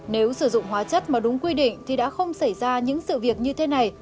nếu sử dụng hóa chất mà đúng quy định thì đã không xảy ra những sự việc như thế này